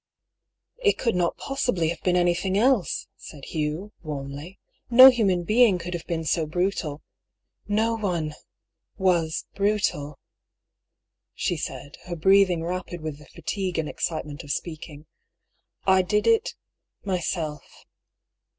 " It could not possibly have been anything else," said. Hugh, warmly. " No human being could have been so brutal ''" No one — ^was — brutal," she said ; her breathing rapid with the fatigue and excitement of speaking. " I — did it — myself.